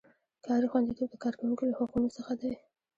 کاري خوندیتوب د کارکوونکي له حقونو څخه دی.